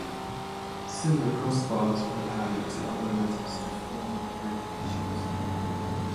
Similar crossbars were added to other letters to form abbreviations.